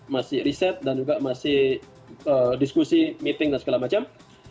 masih riset dan juga masih diskusi meeting dan segala macam